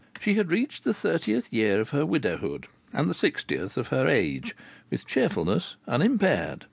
She had reached the thirtieth year of her widowhood and the sixtieth of her age, with cheerfulness unimpaired.